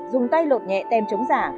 dùng tay lột nhẹ tem chống giả